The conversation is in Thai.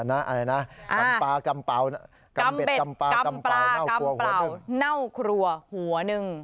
กำปากำเป็ดกำปากำเปล่าเหน่าครัวหัวหนึ่ง